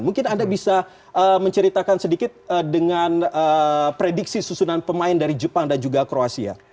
mungkin anda bisa menceritakan sedikit dengan prediksi susunan pemain dari jepang dan juga kroasia